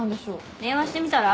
電話してみたら？